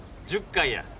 １０回や。